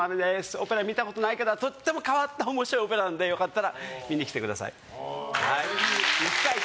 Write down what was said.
オペラ見たことない方とても変わった面白いオペラなので良かったら見に来てください！